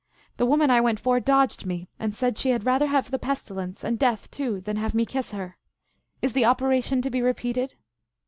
The woman I went for dodged me, and said she had rather have the pestilence, and death too, than have me kiss her. Is the operation to be repeated